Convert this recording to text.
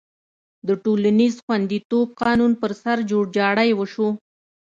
د ټولنیز خوندیتوب قانون پر سر جوړجاړی وشو.